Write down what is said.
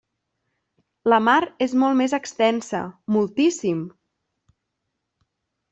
La mar és molt més extensa, moltíssim!